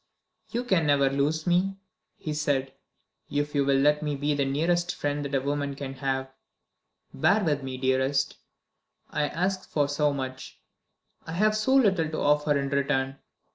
"You can never lose me," he said, "if you will only let me be the nearest friend that a woman can have. Bear with me, dearest! I ask for so much; I have so little to offer in return.